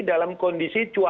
dalam kondisi yang lebih tinggi